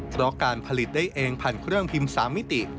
เพราะการผลิตได้เองผ่านเครื่องพิมพ์๓มิติ